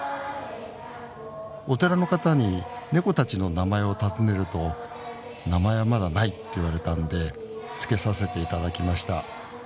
お寺の方にネコたちの名前を尋ねると名前はまだないって言われたんで付けさせていただきました。